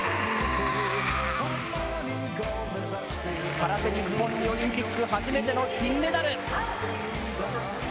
空手、日本、オリンピック初めての金メダル。